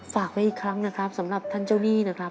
ฝากไว้อีกครั้งนะครับสำหรับท่านเจ้าหนี้นะครับ